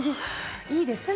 いいですね。